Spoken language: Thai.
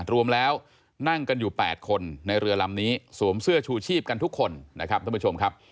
รวมแล้วนั่งกันอยู่๘คนในเรือลำนี้สวมเสื้อชูชีพกันทุกคนนะครับท่านผู้ชมครับ